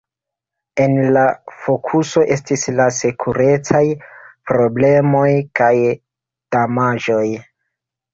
En la fokuso estis la sekurecaj problemoj kaj damaĝoj.